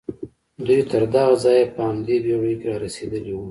دوی تر دغه ځايه په همدې بېړيو کې را رسېدلي وو.